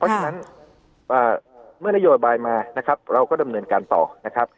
เพราะฉะนั้นเมื่อนโยบายมานะครับเราก็ดำเนินการต่อนะครับ